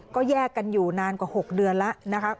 ก็แยกกันอยู่นานกว่า๖เดือนแล้วนะคะ